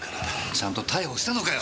ちゃんと逮捕したのかよ？